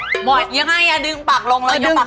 หมดยังไงดึงปากลงแล้วยกมุมปากขึ้น